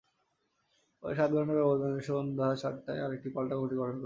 পরে সাত ঘণ্টার ব্যবধানে সন্ধ্যা সাতটায় আরেকটি পাল্টা কমিটি গঠন করা হয়।